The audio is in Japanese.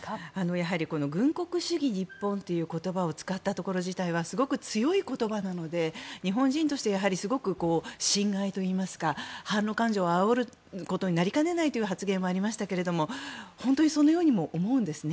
やはり軍国主義日本という言葉を使ったところ自体はすごい強い言葉なので日本人としてすごく心外といいますか反ロ感情をあおることになりかねないという発言もありましたが本当にそのようにも思うんですね。